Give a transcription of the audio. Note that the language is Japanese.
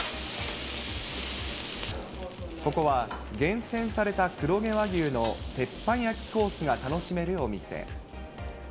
ここは厳選された黒毛和牛の鉄板焼きコースが楽しめるお店。